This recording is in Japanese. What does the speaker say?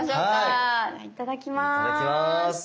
いただきます。